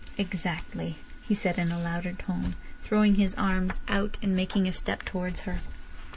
"Exactly," he said in a louder tone, throwing his arms out and making a step towards her.